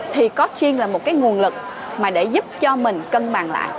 thì có chuyên là một cái nguồn lực mà để giúp cho mình cân bằng lại